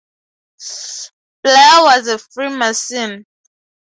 Blair was a Freemason.